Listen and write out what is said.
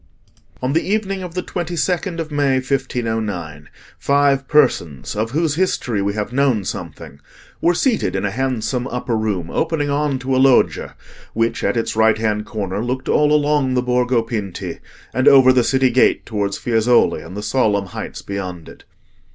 On the evening of the 22nd of May 1509, five persons, of whose history we have known something, were seated in a handsome upper room opening on to a loggia which, at its right hand corner, looked all along the Borgo Pinti, and over the city gate towards Fiesole and the solemn heights beyond it.